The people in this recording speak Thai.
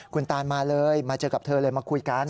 คุณตานมาเลยมาเจอกับเธอเลยมาคุยกัน